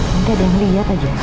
nanti ada yang lihat aja